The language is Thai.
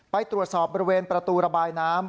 ไปตรวจสอบบริเวณประตูระบายน้ำ